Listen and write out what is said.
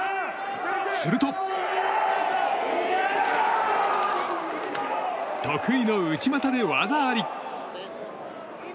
すると得意の内股で技あり。